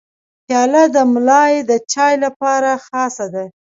پیاله د ملای د چای لپاره خاصه ده.